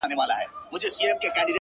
اوس چي ستا نوم اخلمه!!